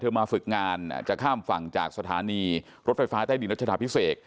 เธอมาฝึกงานอ่ะจะข้ามฝั่งจากสถานีรถไฟฟ้าใต้ดินรถชนธรรมพิเศษ